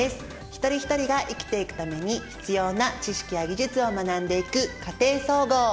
一人一人が生きていくために必要な知識や技術を学んでいく「家庭総合」。